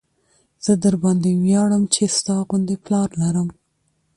زه درباندې وياړم چې ستا غوندې پلار لرم.